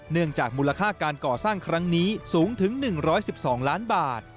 เนื่องจากมูลค่าการก่อสร้างครั้งนี้สูงถึง๑๑๒ล้านบาท